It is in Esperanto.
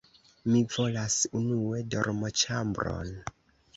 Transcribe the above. Mi volas unue dormoĉambron.